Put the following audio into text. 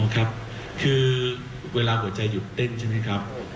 คือเวลาหัวใจหยุดเต้นใช่ไหมครับ